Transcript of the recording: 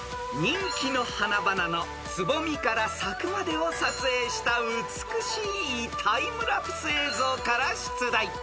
［人気の花々のつぼみから咲くまでを撮影した美しいタイムラプス映像から出題］